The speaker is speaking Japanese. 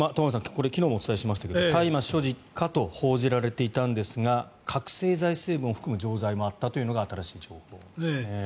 これ、昨日もお伝えしましたが大麻所持かと報じられていたんですが覚醒剤成分を含む錠剤もあったというのが新しい情報ですね。